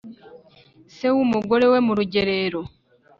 Se w'umugore we mu Rugerero